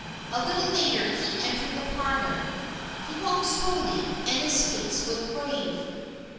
A little later he entered the parlor. He walked slowly and his face was grave.